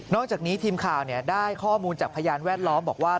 จากนี้ทีมข่าวได้ข้อมูลจากพยานแวดล้อมบอกว่า